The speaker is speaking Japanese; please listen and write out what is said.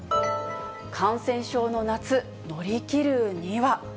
感染症の夏、乗り切るには。